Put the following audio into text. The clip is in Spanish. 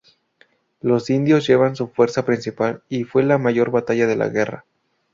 Los indios llevaban su fuerza principal y fue la mayor batalla de la guerra.